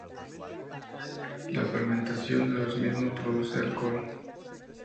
La fermentación de los mismos produce alcohol.